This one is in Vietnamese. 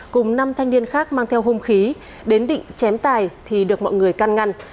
cùng năm thanh niên khác mang theo hung khí đến định chém tài thì được mọi người căn ngăn